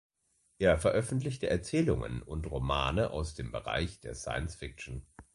Er veröffentlichte Erzählungen und Romane aus dem Bereich der Science Fiction.